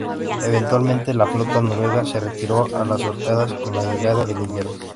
Eventualmente, la flota noruega se retiró a las Órcadas con la llegada del invierno.